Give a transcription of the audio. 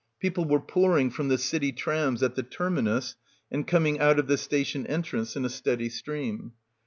People were pouring from the city trams at the terminus and coming out of the station entrance in a steady stream.